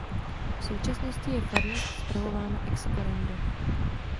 V současnosti je farnost spravována excurrendo.